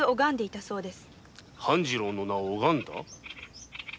半次郎の名を拝んだ？